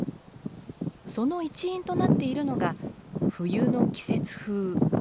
その一因となっているのが冬の季節風。